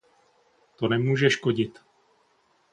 To nemůže škodit.